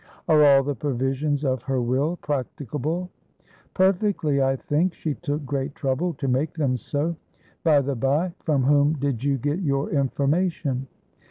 "Are all the provisions of her will practicable?" "Perfectly, I think. She took great trouble to make them so. By the bye, from whom did you get your information?"